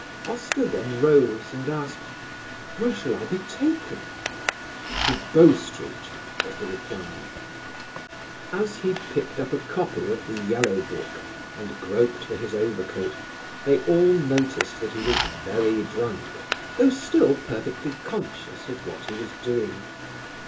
Oscar then rose and asked, "Where shall I be taken?" "To Bow Street," was the reply. As he picked up a copy of the Yellow Book and groped for his overcoat, they all noticed that he was "very drunk" though still perfectly conscious of what he was doing.